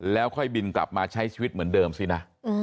แล้วค่อยบินกลับมาใช้ชีวิตเหมือนเดิมซินะ